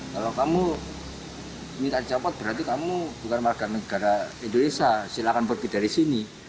kalau kamu minta dicopot berarti kamu bukan warga negara indonesia silahkan pergi dari sini